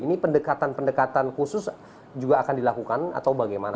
ini pendekatan pendekatan khusus juga akan dilakukan atau bagaimana